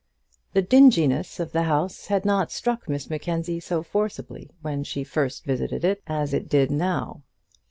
The dinginess of the house had not struck Miss Mackenzie so forcibly when she first visited it, as it did now.